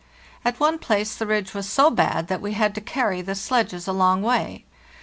At one place the ridge was so bad that we had to carry the sledges a long way.